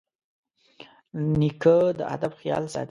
نیکه د ادب خیال ساتي.